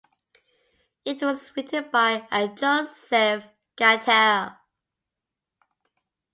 It was written by and Josep Gatell.